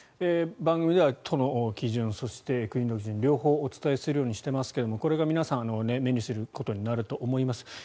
番組では都の基準そして国の基準両方お伝えするようにしていますがこれが皆さん目にすることになると思います。